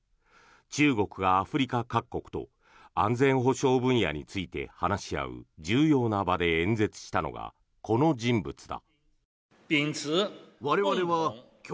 中国がアフリカ各国と安全保障分野について話し合う重要な場で演説したのがこの人物だ。